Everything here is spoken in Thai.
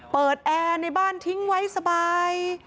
แอร์ในบ้านทิ้งไว้สบาย